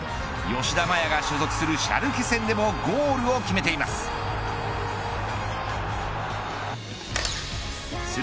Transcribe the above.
吉田麻也が所属するシャルケ戦でもゴールを決めています。